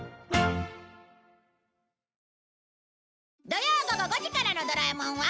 土曜午後５時からの『ドラえもん』は